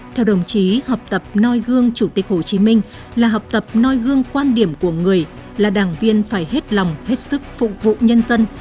theo đồng chí học tập noi gương chủ tịch hồ chí minh là học tập noi gương quan điểm của người là đảng viên phải hết lòng hết sức phục vụ nhân dân